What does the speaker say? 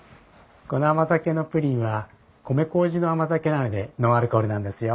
この甘酒のプリンは米麹の甘酒なのでノンアルコールなんですよ。